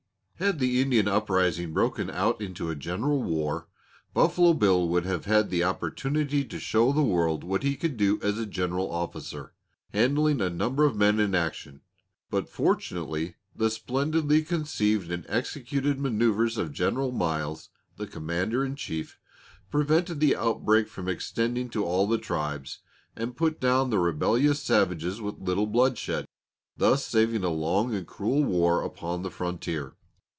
Had the Indian uprising broken out into a general war, Buffalo Bill would have had the opportunity to show the world what he could do as a general officer, handling a number of men in action; but fortunately the splendidly conceived and executed maneuvers of General Miles, the commander in chief, prevented the outbreak from extending to all the tribes, and put down the rebellious savages with little bloodshed, thus saving a long and cruel war upon the frontier.